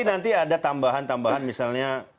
tapi nanti ada tambahan tambahan misalnya